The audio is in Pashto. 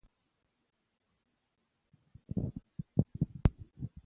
ما ویل: "نه، الحمدلله ډېره خوشاله او آرامه شپه مو تېره کړه".